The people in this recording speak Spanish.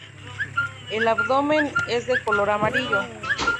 El abdomen es de color amarillo.